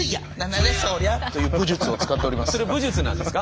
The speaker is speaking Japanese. それ武術なんですか？